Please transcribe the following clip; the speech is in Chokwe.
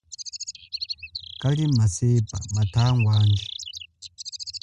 Kali masepa mathangwa handji.